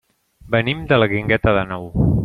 Venim de la Guingueta d'Àneu.